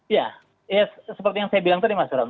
ya seperti yang saya bilang tadi mas bram